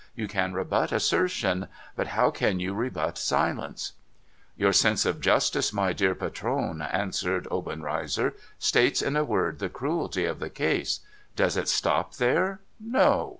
You can rebut assertion. But how can you rebut silence ?'* Your sense of justice, my dear patron,' answered Obenreizer, * states in a word the cruelty of the case. Does it stop there ? No.